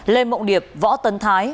lê mộng điệp võ tấn thái